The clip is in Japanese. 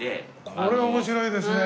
これは面白いですね。